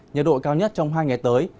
nhiệt độ cao nhất trong hai ngày tới